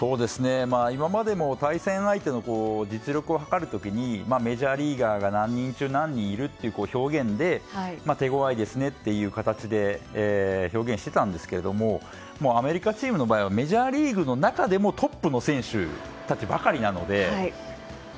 今までも対戦相手の実力を測る時にメジャーリーガーが何人中何人いて手ごわいですねと表現をしていたんですけどアメリカチームの場合はメジャーリーグの中でもトップの選手たちばかりなので。